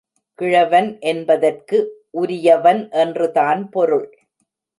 கிழவன் என்பதற்கு உரியவன் என்றுதான் பொருள்.